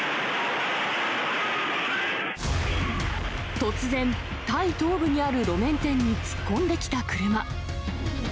突然、タイ東部にある路面店に突っ込んできた車。